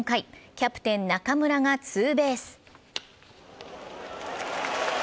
キャプテン・中村がツーベース。